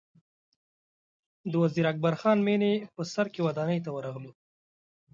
د وزیر اکبر خان مېنې په سر کې ودانۍ ته ورغلو.